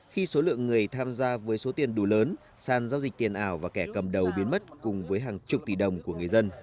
khi số lượng người tham gia với số tiền đủ lớn sàn giao dịch tiền ảo và kẻ cầm đầu biến mất cùng với hàng chục tỷ đồng của người dân